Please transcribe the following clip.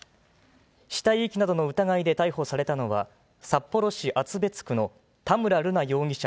死体遺棄などの疑いで逮捕されたのは、札幌市厚別区の田村瑠奈容疑者